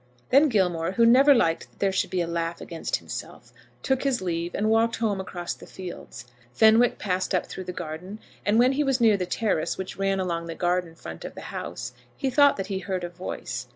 Then Gilmore, who never liked that there should be a laugh against himself, took his leave and walked home across the fields. Fenwick passed up through the garden, and, when he was near the terrace which ran along the garden front of the house, he thought that he heard a voice.